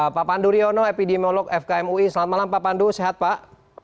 pak pandu riono epidemiolog fkm ui selamat malam pak pandu sehat pak